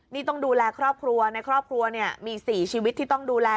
นี่ต้องดูแลครอบครัวในครอบครัวเนี่ยมี๔ชีวิตที่ต้องดูแล